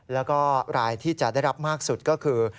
แล้วก็รายที่จะได้รับมากสุดก็คือ